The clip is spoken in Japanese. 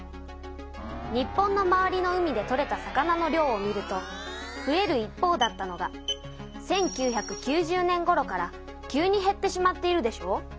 日本の周りの海で取れた魚の量を見るとふえる一方だったのが１９９０年ごろから急にへってしまっているでしょう。